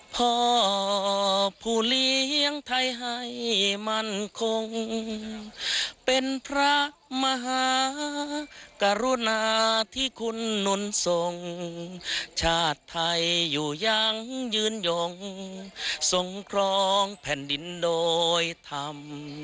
พ่อผู้เลี้ยงไทยให้มั่นคงเป็นพระมหากรุณาที่คุณนนทรงชาติไทยอยู่ยังยืนยงทรงครองแผ่นดินโดยธรรม